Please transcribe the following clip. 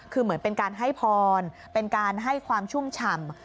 คือเหมือนเป็นการให้พรเป็นการให้ความชุ่มฉ่ำ